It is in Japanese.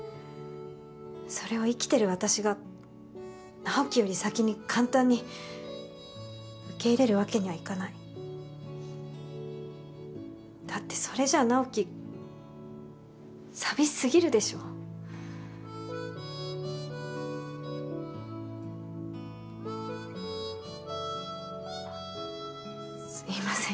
それを生きてる私が直木より先に簡単に受け入れるわけにはいかないだってそれじゃ直木寂しすぎるでしょすみません